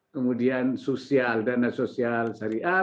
kemudian sosial dana sosial syariah